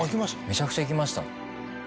めちゃくちゃ生きました。